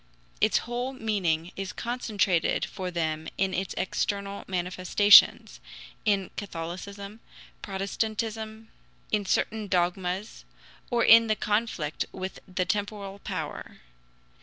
Its whole meaning is concentrated for them in its external manifestations in Catholicism, Protestantism, in certain dogmas, or in the conflict with the temporal power.